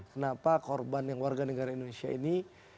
kenapa korban yang warga negara indonesia ini